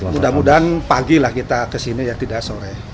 mudah mudahan pagi lah kita kesini ya tidak sore